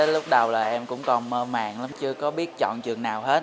lúc đầu là em cũng còn mơ màng lắm chưa có biết chọn trường nào hết